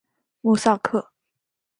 穆萨克。